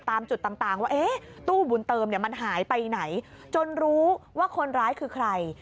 ตามจุดต่างว่าตู้บุญเติมเนี่ยมันหายไปไหนจนรู้ว่าคนร้ายคือใคร